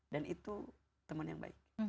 dan itu teman yang baik